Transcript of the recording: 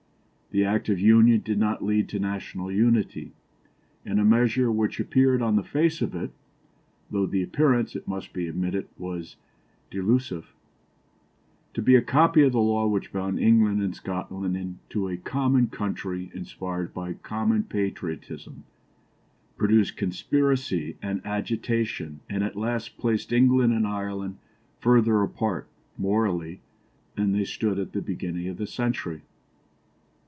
The Act of Union did not lead to national unity, and a measure which appeared on the face of it (though the appearance, it must be admitted, was delusive) to be a copy of the law which bound England and Scotland into a common country inspired by common patriotism, produced conspiracy and agitation, and at last placed England and Ireland further apart, morally, than they stood at the beginning of the century.